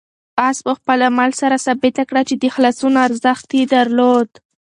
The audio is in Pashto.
آس په خپل عمل سره ثابته کړه چې د خلاصون ارزښت یې درلود.